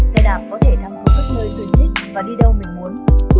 xe đạp có thể tham khúc các nơi tươi thích và đi đâu mình muốn